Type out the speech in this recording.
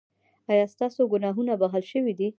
ایا ستاسو ګناهونه بښل شوي دي؟